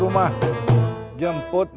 uang baru reu